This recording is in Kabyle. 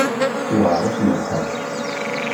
Iwεer-asen lḥal.